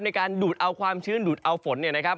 ดูดเอาความชื้นดูดเอาฝนเนี่ยนะครับ